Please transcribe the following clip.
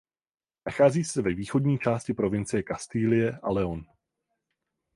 Nachází se ve východní části provincie Kastilie a León.